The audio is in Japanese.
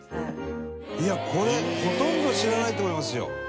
いやこれほとんど知らないと思いますよ。